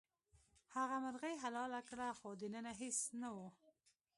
هغه مرغۍ حلاله کړه خو دننه هیڅ نه وو.